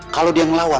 kalau dia ngelawan